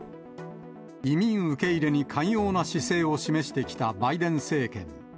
移民受け入れに寛容な姿勢を示してきたバイデン政権。